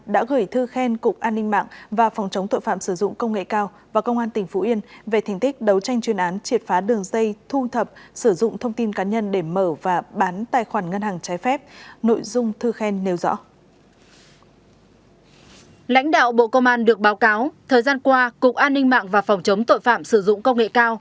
đã gửi thư khen cục an ninh mạng và phòng chống tội phạm sử dụng công nghệ cao